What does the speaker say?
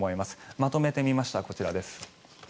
まとめてみました、こちらです。